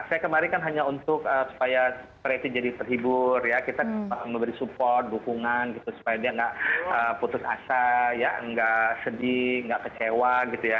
saya kemarin kan hanya untuk supaya preti jadi terhibur ya kita memberi support dukungan gitu supaya dia nggak putus asa ya nggak sedih nggak kecewa gitu ya